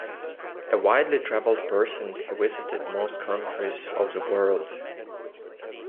A widely travelled person he visited most countries of the world.